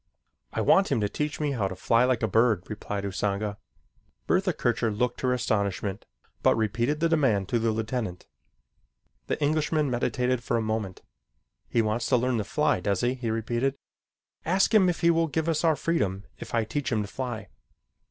"I want him to teach me how to fly like a bird," replied Usanga. Bertha Kircher looked her astonishment, but repeated the demand to the lieutenant. The Englishman meditated for a moment. "He wants to learn to fly, does he?" he repeated. "Ask him if he will give us our freedom if I teach him to fly."